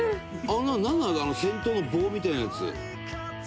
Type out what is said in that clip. あの先頭の棒みたいなやつ」